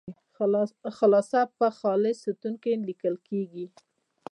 خلاصه په خلص ستون کې لیکل کیږي.